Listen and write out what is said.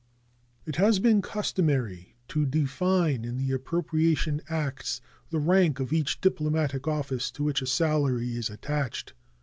It has been customary to define in the appropriation acts the rank of each diplomatic office to which a salary is attached.